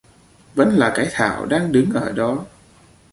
Vẫn là cái thảo đang đứng ở đó